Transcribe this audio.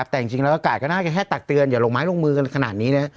แต่จริงแล้วอากาศก็น่าจะแค่ตักเตือนอย่าลงไม้ลงมือกันขนาดนี้